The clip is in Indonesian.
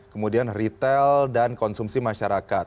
kemudian retail dan konsumsi masyarakat